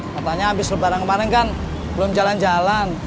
katanya habis lebaran kemarin kan belum jalan jalan